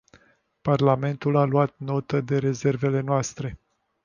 Parlamentul a luat notă de rezervele noastre.